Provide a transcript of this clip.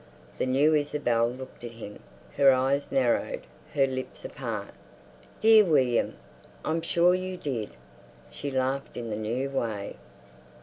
The new Isabel looked at him, her eyes narrowed, her lips apart. "Dear William! I'm sure you did!" She laughed in the new way.